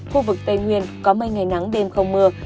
khu vực tây nguyên có mây ngày nắng đêm không mưa